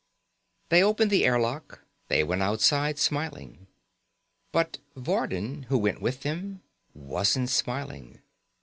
They opened the airlock. They went outside smiling. But Vardin, who went with them, wasn't smiling.